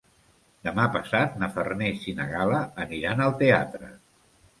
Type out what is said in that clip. Demà passat na Farners i na Gal·la aniran al teatre.